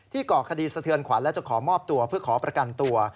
ก่อคดีสะเทือนขวัญและจะขอมอบตัวเพื่อขอประกันตัว